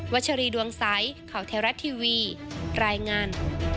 ัชรีดวงใสข่าวเทวรัฐทีวีรายงาน